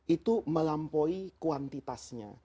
itu melampaui kuantitasnya